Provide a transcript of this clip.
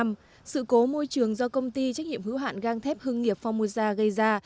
trong năm sự cố môi trường do công ty trách nhiệm hữu hạn gang thép hương nghiệp formosa gây ra